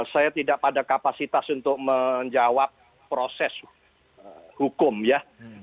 saya tidak pada kapasitas untuk menjawab proses hukum ya